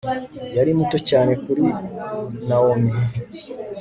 yari muto cyane kuri nawomi